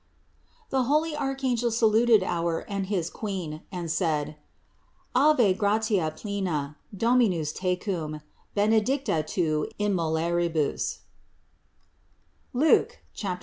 The holy archangel saluted our and his Queen and said: "Ave gratia plena, Dominus tecum, benedicta tu in mulieribus" (Luke 1, 28).